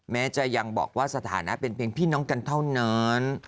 แม้จะยังบอกว่าสถานะเป็นเพียงพี่น้องกันเท่านั้น